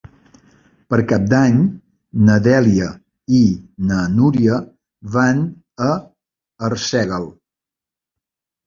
Per Cap d'Any na Dèlia i na Núria van a Arsèguel.